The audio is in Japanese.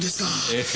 ええ。